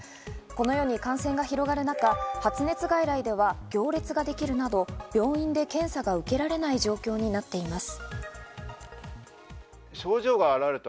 このように感染が広がる中、発熱外来では行列ができるなど病院で検査が受けられない状況になっています。